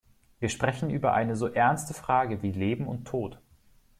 Wir sprechen über eine so ernste Frage wie Leben und Tod.